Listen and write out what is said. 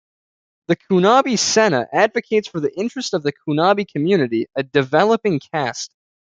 The Kunabi Sena advocates for the interests of the Kunabi community, a developing caste.